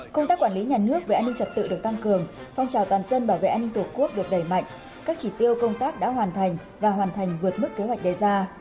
công tác quản lý nhà nước về an ninh trật tự được tăng cường phong trào toàn dân bảo vệ an ninh tổ quốc được đẩy mạnh các chỉ tiêu công tác đã hoàn thành và hoàn thành vượt mức kế hoạch đề ra